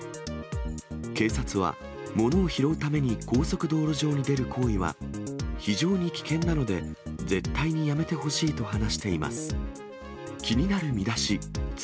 警察はものを拾うために高速道路上に出る行為は、非常に危険なので、絶対にやめてほしいと話しています。